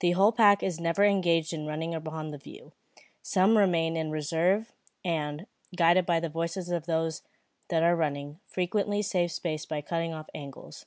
The whole pack is never engaged in running upon the view. Some remain in reserve, and, guided by the voices of those that are running, frequently save space by cutting off angles.